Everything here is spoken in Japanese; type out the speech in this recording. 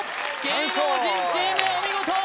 芸能人チームお見事完勝！